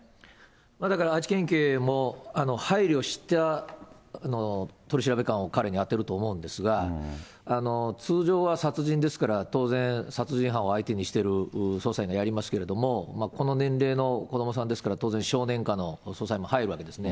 だから愛知県警も、配慮した取り調べ官を彼に充てると思うんですが、通常は殺人ですから、当然殺人犯を相手にしている捜査になりますけれども、この年齢の子どもさんですから、当然少年課の捜査員も入るわけですね。